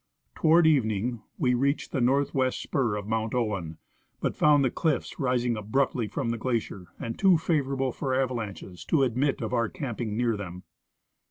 Toward evening we reached the north western spur of Mount OAven, but found the cliffs rising abruptly from the glacier and too favorable for avalanches to admit of our camping near them.